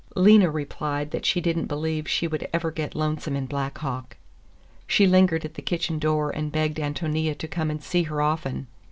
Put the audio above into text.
Lena replied that she did n't believe she would ever get lonesome in Black Hawk. She lingered at the kitchen door and begged Ántonia to come and see her often.